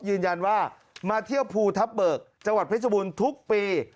ยืนยันว่ามาเที่ยวภูทับเบิกจังหวัดเพชรบูรณ์ทุกปี